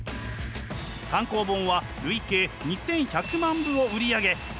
単行本は累計２，１００万部を売り上げ堂々完結。